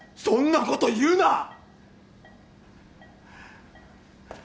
そんなこと言うな！